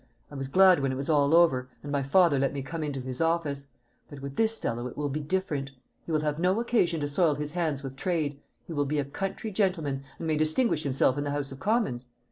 I was glad when it was all over, and my father let me come into his office. But with this fellow it will be different. He will have no occasion to soil his hands with trade. He will be a country gentleman, and may distinguish himself in the House of Commons.